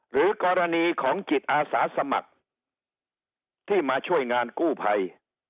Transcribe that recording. หรือกรณีของจิตอาสาสมัครที่มาช่วยงานกู้ภัย